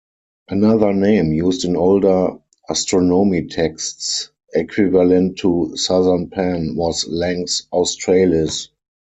Another name used in older astronomy texts, equivalent to "southern pan", was "Lanx Australis".